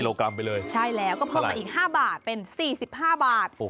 โลกรัมไปเลยใช่แล้วก็เพิ่มมาอีก๕บาทเป็น๔๕บาท